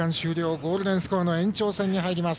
ゴールデンスコアの延長戦に入ります。